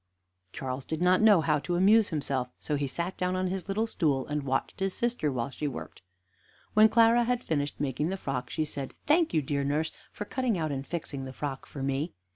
Charles did not know how to amuse himself, so he sat down on his little stool, and watched his sister while she worked. When Clara had finished making the frock, she said: "Thank you, dear nurse, for cutting out and fixing the frock for me."